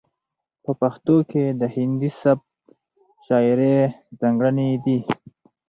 په پښتو کې د هندي سبک شاعرۍ ځاتګړنې دي.